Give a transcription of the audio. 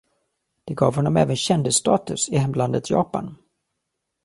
Det gav honom även kändisstatus i hemlandet Japan.